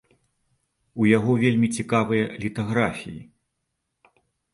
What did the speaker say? У яго вельмі цікавыя літаграфіі.